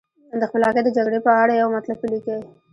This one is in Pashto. د خپلواکۍ د جګړې په اړه یو مطلب ولیکئ.